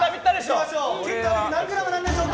切ったお肉何グラムなんでしょうか。